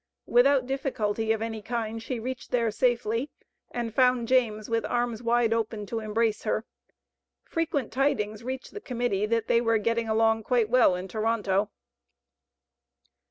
Without difficulty of any kind she reached there safely, and found James with arms wide open to embrace her. Frequent tidings reached the Committee, that they were getting along quite well in Toronto.